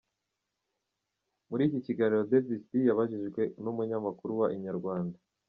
Muri iki kiganiro Davis D yabajijwe n'umunyamakuru wa Inyarwanda.